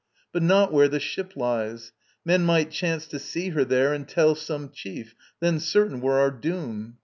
But not where The ship lies; men might chance to see her there And tell some chief; then certain were our doom.